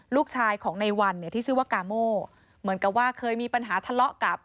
ลูกชายของในวันเนี่ยที่ชื่อว่ากาโม่เหมือนกับว่าเคยมีปัญหาทะเลาะกับ